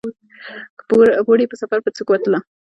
که په اوړي په سفر به څوک وتله